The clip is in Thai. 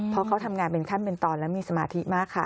เพราะเขาทำงานเป็นขั้นเป็นตอนและมีสมาธิมากค่ะ